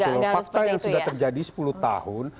betul fakta yang sudah terjadi sepuluh tahun